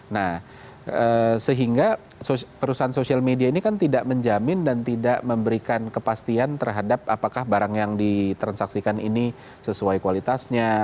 nah sehingga perusahaan social media ini kan tidak menjamin dan tidak memberikan kepastian terhadap apakah barang yang ditransaksikan ini sesuai kualitasnya